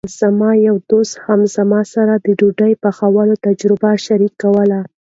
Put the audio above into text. زما یو دوست هم زما سره د ډوډۍ پخولو تجربې شریکولې.